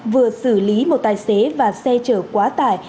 vừa xử lý một tài xế và xe chở quá tải